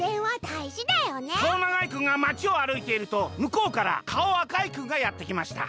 「かおながいくんがまちをあるいているとむこうからかおあかいくんがやってきました。